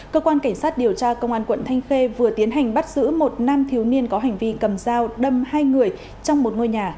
cơ quan cảnh sát điều tra công an quận thanh khê vừa tiến hành bắt giữ một nam thiếu niên có hành vi cầm dao đâm hai người trong một ngôi nhà